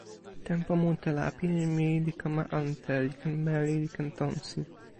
tenpo mute la pilin mi li kama ante, li ken meli li ken tonsi.